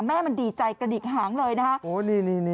แม่มันดีใจกระดิกหางเลยนะคะโอ้นี่นี่นี่